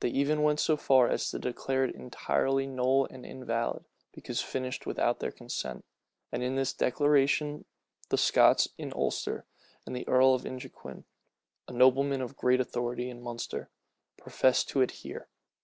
They even went so far as to declare it entirely null and invalid, because finished without their consent; and in this declaration the Scots in Ulster, and the earl of Inchiquin, a nobleman of great authority in Munster, professed to adhere.